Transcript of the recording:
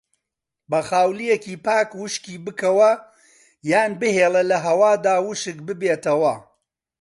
بە خاولیەکی پاک وشکی بکەوە یان بهێڵە لەهەوادا وشک ببێتەوە.